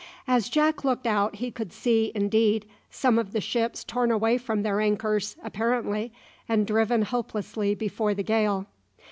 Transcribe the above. As Jack looked out he could see, indeed, some of the ships torn away from their anchors, apparently, and driven hopelessly before the gale.